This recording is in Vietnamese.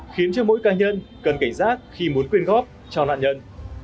khiến cho mỗi cá nhân cần cảnh giác khi muốn quyên góp cho nạn nhân